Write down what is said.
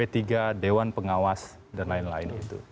p tiga dewan pengawas dan lain lain